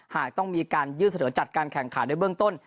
หากต้องมีการยื่นเสนอจัดการแข่งขันในเบื้องต้น